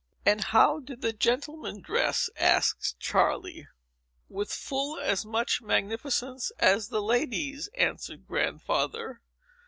"And how did the gentlemen dress?" asked Charley. "With full as much magnificence as the ladies," answered Grandfather.